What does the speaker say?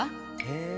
へえ。